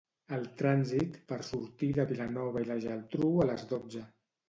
El trànsit per sortir de Vilanova i la Geltrú a les dotze.